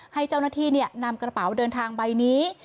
ให้เจ้าหน้าที่นำกระเป๋าเดินทางใบนี้